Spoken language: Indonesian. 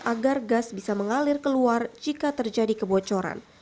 agar gas bisa mengalir keluar jika terjadi kebocoran